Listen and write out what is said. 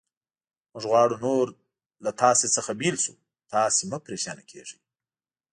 موږ غواړو نور له تاسې څخه بېل شو، تاسې مه پرېشانه کېږئ.